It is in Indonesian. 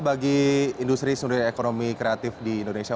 bagi industri sumber ekonomi kreatif di indonesia